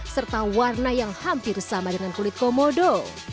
serta warna yang hampir sama dengan kulit komodo